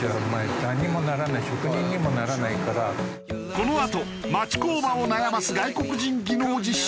このあと町工場を悩ます外国人技能実習制度への不満。